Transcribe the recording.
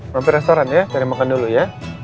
mampir restoran ya cari makan dulu ya